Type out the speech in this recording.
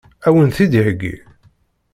Ad wen-t-id-iheggi?